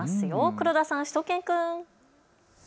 黒田さん、しゅと犬くん。